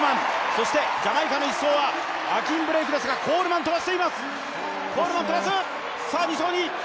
そしてジャマイカの１走はアキーム・ブレイクですが、コールマン飛ばしています。